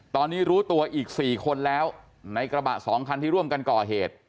ตอนนี้รู้ตัวอีก๔คนแล้วในกระบะ๒คันที่ร่วมกันก่อเหตุ